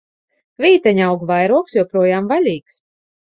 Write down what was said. Vīteņaugu vairogs joprojām vaļīgs!